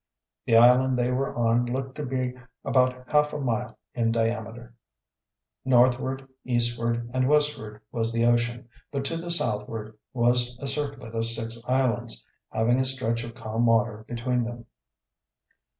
The island they were on looked to be about half a mile in diameter. Northward, eastward, and westward was the ocean, but to the southward was a circlet of six islands, having a stretch of calm water between them.